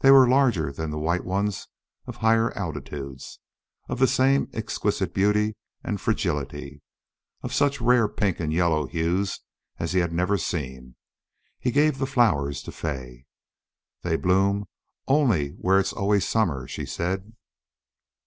They were larger than the white ones of higher altitudes, of the same exquisite beauty and fragility, of such rare pink and yellow hues as he had never seen. He gave the flowers to Fay. "They bloom only where it's always summer," she said.